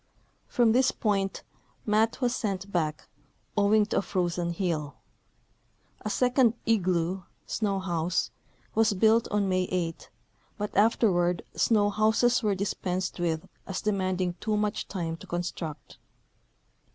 From this point Matt was sent back, owing to a Irozen heel. A second"" igloo " (snow house) was built on May 8, but afterward snow houses were dispensed with as demanding too much time to construct.